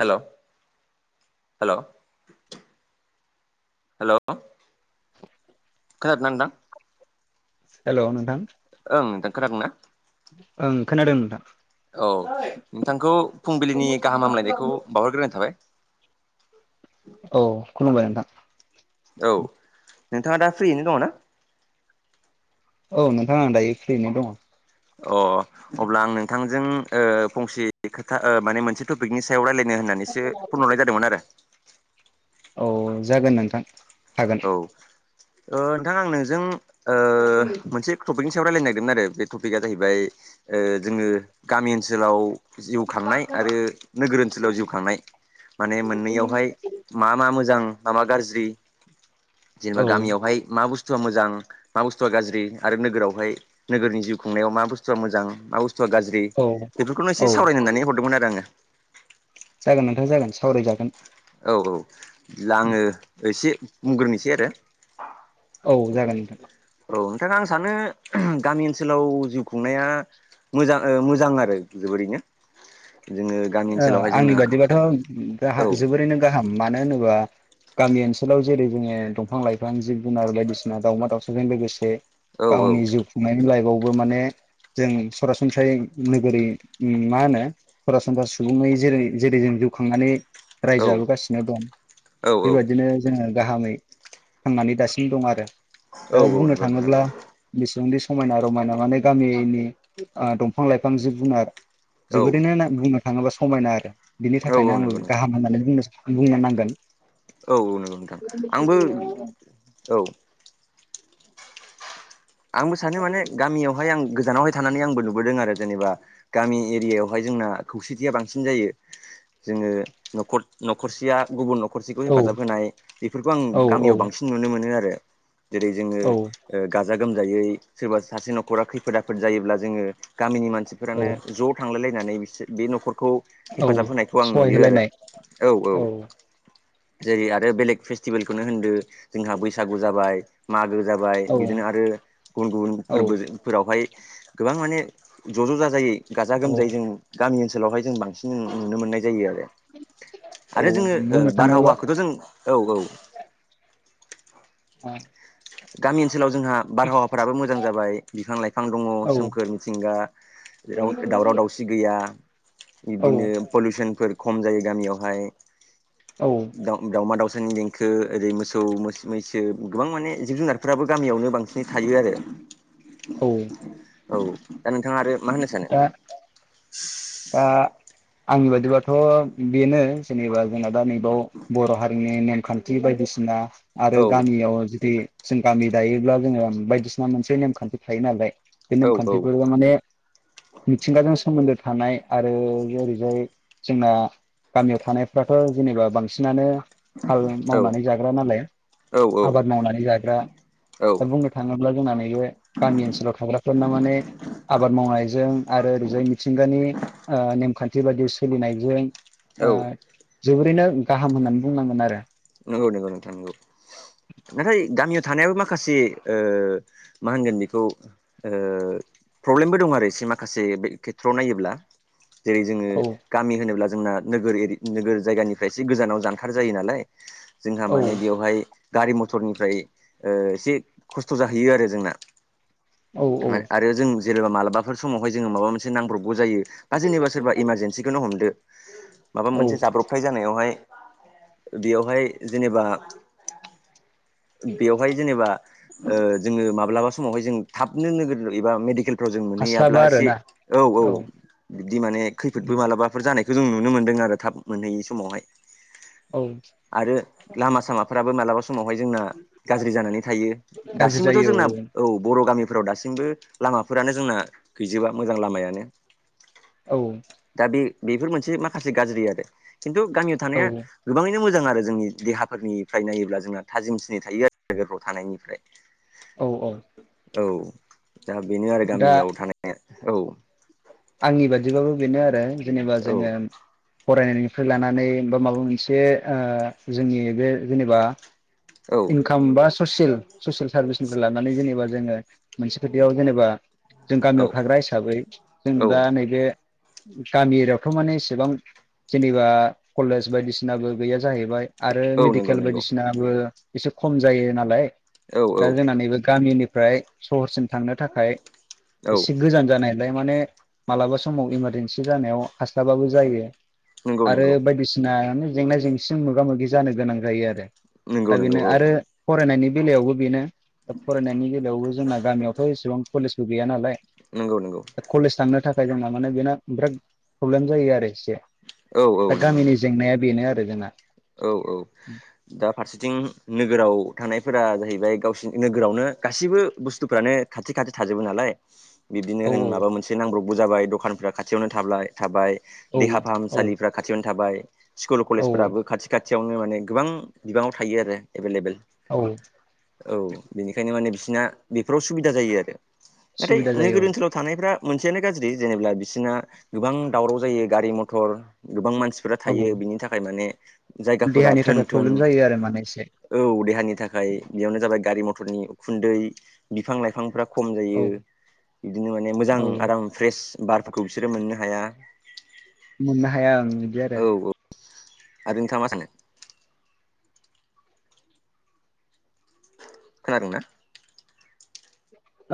Hello hello hello खोनादोंना नोंथां? Hello नोंथां ओं दा खानादोंना ओं खोनादों नोंथां। औ नोंथांखौ फुंबिलिनि गाहाम हामलायनायखौ बावहरग्रोनाय थाबाय औ खुलुमबाय नोंथां औ नोंथाङा दा फ्रियैनो दङ ना? औ नोंथां दायो फ्रियैनो दङ अ अब्ला आं नोंथांजों ओ फंसे खोथा माने मोनसे टपिकनि सायाव रायलायनो होननानैसो फनहरनाय जादोंमोन आरो औ जागोन नोंथां हागोन औ ओ नोंथां आं नोंजों ओ मोनसे टपिकनि सायाव रायलायनो नागिरदों आरो बे टपिकआ जाहैबाय ओ जोङो गामि ओनसोलाव जिउ खांनाय आरो नोगोर ओनसोलाव जिउ खांनाय माने मोननैयावहाय मा मा मोजां मा मा गाज्रि जेनेबा औ गामियावहाय मा बुस्थुआ मोजां मा बुस्थुआ गाज्रि आरो नोगोरावहाय नोगोरनि जिउ खुंनायाव मा बुस्थुआ मोजां मा बुस्थुआ गाज्रि ज्रि औ बेफोरखौनो औ इसे सावरायनो होननानै हरदोंमोन आरो आङो जागोन नोंथां जागोन सावरायजागोन औ औ लाङो औसि बुंग्रोनोसै आरो औ जागोन नोंथां औ नोंथां आं सानो [unintelligible] गामि ओनसोलाव जिउ खुंनाया मोजां ओ मोजां आरो जोबोरैनो जोङो गामि ओ ओनसोलावहाय आंनि जोंना बादिब्ला दाह औ जोबोरैनो गाहाम मानो होनोबा गामि ओनसोलाव जेरै जोङो दंफां लाइफां जिब जुनार बायदिसिना दावउमा दाउसाजों लोगोसे औ गावनि जुग खुंनायनि लाइफआवबो माने जों सरासनस्रायै नोगोरै मा होनो होमबा सुबुङै जेरै जेरै जों जिउ खांनानै रायजाबोगासिनो दं औ बेबायदिनो जोङो गाहामै थांनानै दासिम दं आरो दा बुंनो औ थाङोब्ला बिसेंदि समायना रमायना माने गामिनि आ दंफां लाइफां जिब जुनार जोबोरैनो औ ना बुंनो थाङोब्ला समायना आरो बिनि औ थाखायनो आंबो नंगौ नोंथां गाहाम होननानै बुंनो बुंनो नांगोन औ औ नोंगौ नोंथां आंबो औ आंबो सानो माने गामियावहाय आं गोजानावहाय थानानै आंबो लु नुबोदों आरो जेनेबा गामि एरियायावहाय जोंना खौसेथिया बांसिन जायो जोङो न'खर न'खरसेया गुबुन न खरसेखौ औ हेफाजाब होनाय बेफोरखौ आं औ औ गामियाव बांसिन नुनो मोनो आरो जेरै जोङो औ ओ गाजा गोमजायै सोरबा सासे न'खरा खैफोद आफोद जायोब्ला जोङो गामिनि मानसि औ बेफोरानो ज' थांलायलायनानै बिसो बे न'खरखौ औ हेफाजाब होनायखौ आं सहाय नुयो आरो होलायनाय औ औ जेरै आरो बेलेग फेस्टिभेलखौनो होनदो जोंहा बैसागु जाबाय मागो जाबाय औ बिदिनो आद गुबुन गुबुन औ फोरबोफोरावहाय गोबां माने ज' ज' ज जायै गाजा औ गोमजायै जों गामि ओनसोलावहाय जों बांसिन नुनो मोननाय जायो आरो औ आरो जोङो बुंनो थाङोबा बारहावाखौथ' जों औ औ औ गामि ओनसोलाव जोंहा बारहावाफोराबो मोजां जाबाय बिफां लाइफां दङ सोमखोर मिथिंगा जेराव दावराव दावसि गैया औ बिदिनो पलिउसनफोर खम जायो गामियावहाय दाउमा दाउसानि देंखो ओरै मोसौ मोस मैसो गोबां माने जिब जुनारफ्राबो गामियावनो बांसिनै थायो आरो औ औ दा नोंथाङा आरो मा होनो सानो दा दा आंनि बादिबाथ' बेनो जेनेबा जोंना दा नै बाव बर' हारिनि नेमखान्थि बायदिसिना आरो औ गामियाव जुदि जों गामि दायोब्ला जोङो बायदिसिना मोनसे नेमखान्थि थायो नालाय बे औ नेमखान्थिफोरा माने मिथिंगाजों सोमोन्दो थानाय आरो ओरैहाय जोंना गामियाव थानायफ्राथ' जेनेबा बांसिनानो हाल औ मावनानै जाग्रा नालाय औ आबाद मावनानै जाग्रा औ दा बुंनो थाङोब्ला जोंना नैबे गामि ओनसोलाव थाग्राफोरना माने आबाद मावनाय जों आरो ओरैजाय मिथिंगानि नेमखान्थि बायदि सोलिनायजों औ जोबोरैनो गाहाम होन्नानै बुंनांगोन आरो नंगौ नंगौ नोंथां नंगौ नाथाय गामियाव थानायाबो माखासे ओ मा होनगोन बेखौ ओ प्रब्लेमबो दं आरो एसे माखासे बे खेथ्रआव नायोब्ला जेरै जोङो औ गामि होनोब्ला जोंना नोगोर एरि नोगोर जायगानिफ्राय एसे गोजानाव जानखार जायो नालाय जोंहा माने बेवहाय गारि मथरनिफ्राय एसे खस्थ' जाहैयो आरो जोंना औ औ आरो जों जेनेबा मालाबाफोर समावहाय जोङो माबा मोनसे नांब्रबगौ जायो दा जेनेबा सोरबा इमार जेेनसिखौनो हमदो माबा औ मोनसे जाब्रबथाय जानायावहाय बेयावहाय जेनेबा बेवहाय जेनेबा जोङो माब्लाबा समावहाय जों थाबनो नोगोर एबा मेडिकेल जों हास्लाबा मोनहैयाब्ला एसे आरोना औ औ बिदि माने खैफोदबो मालाबा जानायखौ जों नुनो मोनदों आरो थाब मोनहैयै समावहाय औ आरो लामा सामाफ्राबो मालाबा सम समावहाय जोंना गाज्रि जानानै थायो गाज्रि दासिमबोथ' जायो जोंना औ बर' गामिफोराव दासिमबो लामाफोरानो जोंना गैजोबा मोजां लामायानो औ दा बे बेफोर मोनसे माखासे गाज्रि आरो खिन्थु गामियाव औ थानाया औ गोबाङैनो मोजां आरो जोंनि देहाफोरनिफ्राय नायोब्ला जोंना थाजिमसिन थायो आरो नोगोरफ्राव थानायनिफ्राय औ औ औ दा बेनो आरो दा गामियाव थानाया औ आंनि बादिबाबो बेनो आरो जेनेबा औ जोङो फरायनाय निफ्राय लानानै बा माबा मोनसे ओ जोंनि बे जेनेबा औ इंख खाम बा ससियेल ससियेल सार्भिसनिफ्राय लानानै जेनेबा जोङो मोनसे खोथाययाव जेनेबा जों औ गामियाव थाग्रा हिसाबै जों औ दा नैबे गामि एरियावथ' माने एसेबां जेनेबा कलेज बायदिसिनाबो गैया जाहैबाय आरो औ नंगौ मेडिकेल नंगौ बायदिसिनाबो एसे खम जायो नालाय औ औ दा जोंना नैबे गामिनिफ्राय सहरसिम थांनो थाखाय औ एसे गोजान जानाय माने मालाबा समाव इमारजेनसि जानायाव हास्लाबाबो जायो नंगौ आरो नंगौ बायदिसि ना जेंना जेंसिजों मोगा मोगि जानो गोनां जायो आरो नंगौ दा नंगौ बेनो औ आरो फरायनायनि बेलायावबो बेनो दा फरायनायनि बेलायावबो जोंना गामियावथ' एसेबां कलेजबो गैया नालाय नंगौ नंगौ दा कलेज थांनो थाखाय जोंना माने बे बिराद प्रब्लेम जायो आरो एसे औ दा नंगौ नंगौ गामिनि जेंनाया बेनो आरो जोंना। औ औ दा फारसेथिं नोगोराव थानायफोरा जाहैबाय गावसिनि नोगोरावनो गासैबो बुस्थुफ्रानो खाथि खाथि थाजोबो नालाय बिबदिनो औ होन माबा मोनसे नांब्रबबो जाबाय दखानफ्रा खाथियावनो थाब्लाय थाबाय देहा औ औ फाहामसालिफ्रा खाथियावनो थाबाय स्कुल औ कलेजफोराबो खाथि खाथियावनो माने गोबां बिबाङाव थायो आरो एभेलेबेल औ औ बेनिखायनो माने बिसिना बेफोराव सुबिदा जायो आरो नाथाय सुबिदा जायो नोगोर ओनसोलाव थानायफ्रा मोनसेयानो गाज्रि जेनेबा बिसोरना गोबां दावराव जायो गारि मथर गोबां मानसि फोरा औ थायो बिनि थाखाय माने जायगाफोरा देहानि थोन थाखाय थोन प्रब्लेम जायो आरो माने एसे औ देहानि थाखाय बेयावनो जाबाय गारि मथरनि उखुन्दै बिफां लाइफांफ्रा खम जायो औ बिदिनो माने मोजां औ आराम फ्रेश बारफोरखौ बिसोरो मोननो हाया। मोननो हाया ओं बिदि आरो औ औ आरो नोंथा मा सानो? खोनादों ना?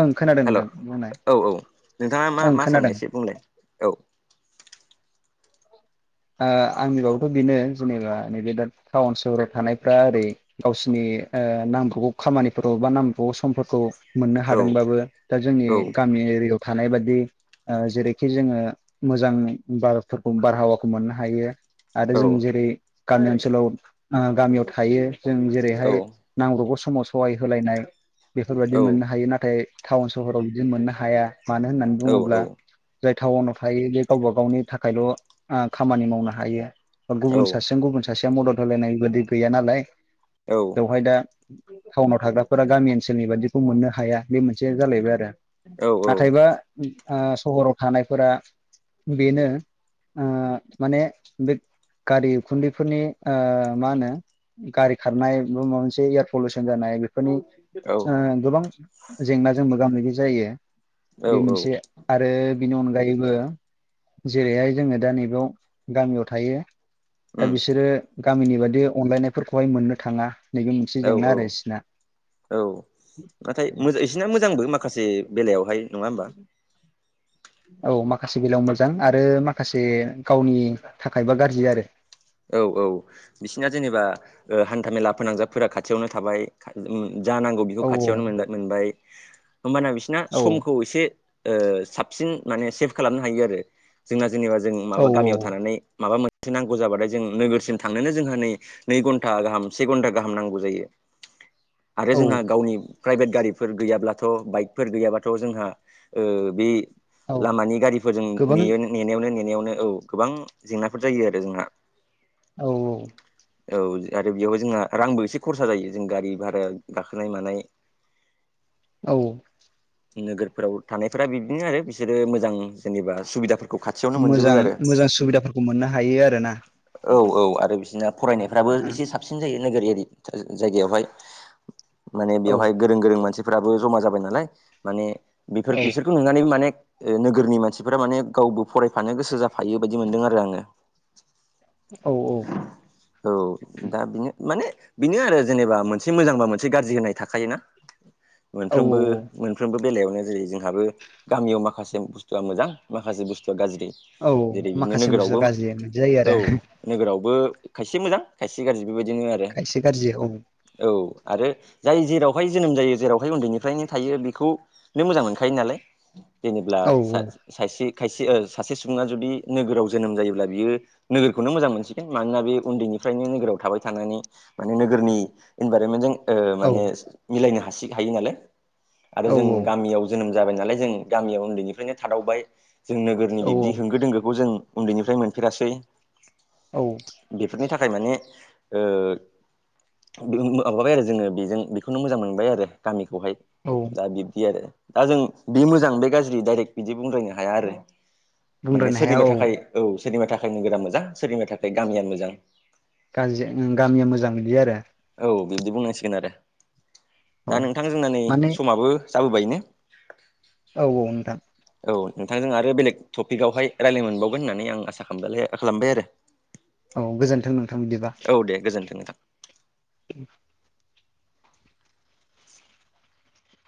ओं खोनादों हेल' औ नोंथां बुंनाय औ नोंथाङा मा ओं मा खोनादों सानो एसे बुंलाय औ ओ आंनि बाबोथ' बेनो जेनेबा नैबे दा टाउन सोहराव थानायफ्रा ओरै गावसिनि ओ नांबगौ खामानिफोरखौ बा नांबगौ समफोरखौ मोननो औ हादोंबाबो दा जोंनि औ गामि एरियायाव थानाय बाददि ओ जेरैखि जोङो मोजां बारफोरखौ बारहावा खौ मोननो हायो आरो औ जों जेरै गामि ओनसोलाव आ गामियाव थायो। जों जेरैहाय औ नांगब्रबगौ समाव सहाय होलायनाय बेफोरबायदि औ मोननो हायो नाथाय टाउन सहराव बिदि मोननो हाया मानो होननानै औ बुङोब्ला जाय टाउनाव थायो बे गावबा गावनि थाखायल' ओ खामानि मावनो हायो। बा औ गुबुन सासेजों गुबुन सासेया मदद होलायनाय बादि गैया नालाय औ बेवहाय दा टाउनाव थाग्राफोरा गामि ओनसोलनि बायदिखौ मोननो हाया बे मोनसे जालायबाय आरो औ नाथायबा ओ सहराव थानायफोरा बेनो ओ माने बे गारि उखुन्दैफोरनि ओ मा होनो गारि खारनाय बा माबा मोनसे एयार पलिउसन जानाय बेफोरनि ओ गोबां जेंनाजों मोगा मोगि जायो औ बे औ मोनसे आरो बिनि अनगायैबो जेरैहाय जोङो दा नैबयाव गामियाव थायो दा उम बिसोरो गामिनि बायदि अनलायनायफोरखौहाय मोननो थाङा नैबे मोनसे औ जेंना औ आरो बिसिना। औ नाथाइ मो इसिरना मोजांबो माखासे बेलायावहाय। नङा [inaudible] [inaudible] औ माखासे बेलायाव मोजां आरो माखासे गावनि थाखायबा गाज्रि आरो औ औ बिसिना जेनेबा ओ हान्थामेला फोनांजाबफोरा खाथियावनो थाबाय। उम जानांगौ बेखौ औ खाथियावनो मोनबाय मोनबाय होमबाना बिसना औ समखौ एसे ओ साबसिन माने सेभ खालामनो हायो आरो जोंना जेनेबा जों औ माबा गामियाव थानानै माबा मोन थि नांगौ जाबाथाय जों नोगोरसिम थांनोनो जोंहा नै नै घन्टा गाहाम से घन्टा गाहाम नांगौ जायो। आरो औ जोंहा गावनि प्राइभेट गारिफोर गैयाब्लाथ' बाइकफोर गैयाब्लााथ' जोंहा ओ बि औ लामानि गारिफोरजों गोबां नेयो नेनायावनो नेनायावनो औ गोबां जेंनाफोर जायो आरो जोंहा। औ औ औ आरो बेयावबो जोंहा रांबो एसे खरसा जायो जों गारि भारा गाखोनाय मानाय [inaudible] औ नोगोरफोराव थानायफोरा बिदिनो आरो बिसोरो मोजां जेनेबा सुबिदाफोरखौ खाथियावनो मोनजोबो मोजां आरो मोजां सुबिदाफोरखौ मोननो हायो आरोना औ औ आरो बिसोरना फरायनायफ्राबो एसे औ सा सिन जायो नोगोर एरि जायगायावहाय माने औ बेयावहाय गो गोरों गोरों मानसिफोराबो जमा जाबाय नालाय माने बेफोर औ बिसोर नुनानैबो माने ओ नोगोरनि मानसिफोरा माने गावबो फरायफानो गोसो जाफायो बायदि मोन्दों आरो आङो। औ औ औ दा बिनो माने बेनो आरो जेनेबा मोनसे मोजांबा मोनसे गाज्रि होनाय थाखायोना औ मोनफ्रोमबो औ मोनफ्रोमबो बेलायावनो जेरै जोंहाबो गामियाव माखासे बुस्थुआ मोजां माखासे बुस्थुआ गाज्रि औ जेरै बिदिनो माखासे बुस्थु नोगोरावबो गाज्रि बिदि जायो औ आरो नोगोरावबो खायसे मोजां खायसे गाज्रि बेबायदिनो आरो खायसे गाज्रि औ औ आरो जाय जेरावहाय जोनोम जायो जेरावहाय उन्दैनिफ्रायनो थायो बेखौ नों मोजां मोनखायो नालाय जेनेब्ला औ सा सासे खायसे सासे सुबुङा जुदि नोगोराव जोनोम जायोब्ला बियो नोगोर खौनो मोजां मोनसिगोन मानोना बे उन्दैनिफ्रायनो नोगोराव थाबाय थानानै माने नोगोरनि इनभाइरमेन्टजों ओ औ माने मिलायनो हासि हायो नालाय आरो औ जों गामियाव जोनोम जाबाय नालाय जों गामियाव उन्दैनिफ्रायनो थादावबाय जों नोगोरनि बिब्दि औ होंगो दोंगोखौ जों उन्दैनिफ्राय मोनफेरासै औ बेफोरनि थाखाय माने ओ माबाबाय आरो जोङो बेजों बेखौनो मोजां मोनबाय आरो गामिखौहाय औ दा बिब्दि आरो दा जों बे मोजां बे गाज्रि दडाइरेक्ट बिदि बुंद्रायनो हाया आरो माने बुंद्रायनो हाया सोरनिबा औ थाखाय औ सोरनिबा थाखाय नोगोरा मोजां सोरनिबा थाखाय गामियानो मोजां। गाज्रि गामिया मोजां बिदि आरो औ बिबदि बुंनांसिगोन आरो औ दा नोंथां जोंना नै माने समाबो जाबोबाय ने औ औ नोंथां औ नोंथांजों आरो बेलेग टपिकावहाय रायज्लाय मोनबावगोन होननानै आं आसा खालामलाय खालामबाय आरो। [inaudible] औ गोजोन्थों नोंथां बिदिबा। औ दे गोजोन्थों नोंथां [inaudible]